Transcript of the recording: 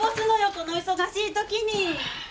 この忙しい時に！